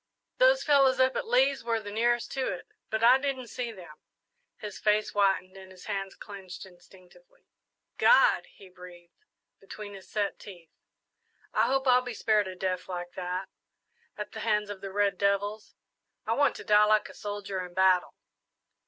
Those fellows up at Lee's were the nearest to it, but I didn't see them." His face whitened and his hands clenched instinctively. "God!" he breathed, between his set teeth, "I hope I'll be spared a death like that, at the hands of the red devils. I want to die like a soldier in battle!"